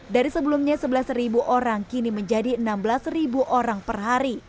dari sebelumnya sebelas orang kini menjadi enam belas orang per hari